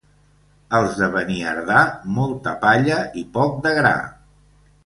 Els de Beniardà, molta palla i poc de gra.